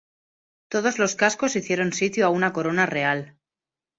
Todos los cascos hicieron sitio a una corona real.